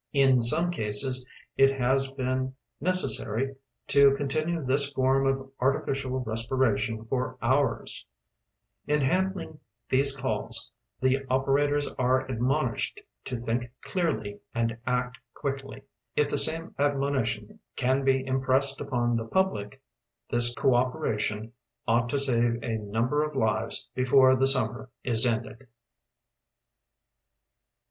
Ia some case 4, it has been necessary to con tinue this form of artificial respiration for hours, lu handling these calls, the operators are admonished to.lblnk clearly and act quickly. If the same admoni tion can be Impressed upon the public, this cooperation ought to save a number of lives before the summer is ended".